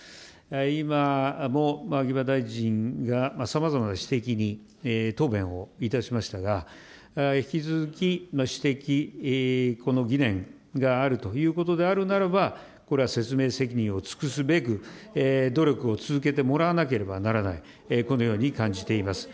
今も秋葉大臣がさまざまな指摘に答弁をいたしましたが、引き続き、指摘、この疑念があるということであるならば、これは説明責任を尽くすべく努力を続けてもらわなければならない、このように感じています。